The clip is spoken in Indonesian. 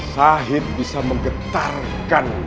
sahid bisa menggetarkan